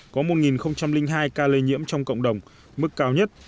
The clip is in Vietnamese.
có một hai ca lây nhiễm trong cộng đồng mức cao nhất